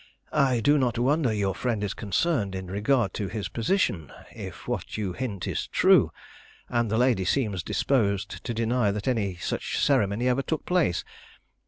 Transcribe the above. "I do not wonder your friend is concerned in regard to his position, if what you hint is true, and the lady seems disposed to deny that any such ceremony ever took place.